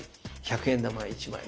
１００円玉１枚。